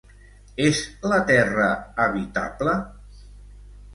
És la Terra habitable?